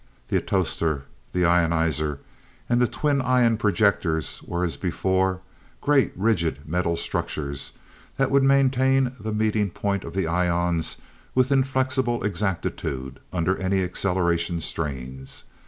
The atostor, the ionizer, and the twin ion projectors were as before, great, rigid, metal structures that would maintain the meeting point of the ions with inflexible exactitude under any acceleration strains.